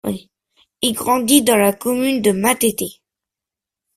Il grandit dans la commune de Matete.